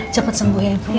cepet sembuh ya bu